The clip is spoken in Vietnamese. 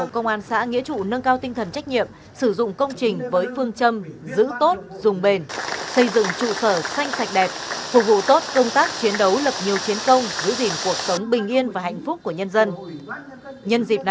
công an xã nghĩa trụ nâng cao tinh thần trách nhiệm sử dụng công trình với phương châm giữ tốt dùng bền xây dựng trụ sở xanh sạch đẹp phục vụ tốt công tác chiến đấu lập nhiều chiến công giữ gìn cuộc sống bình yên và hạnh phúc của nhân dân